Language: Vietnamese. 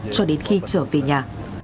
cho đến khi trở về nhà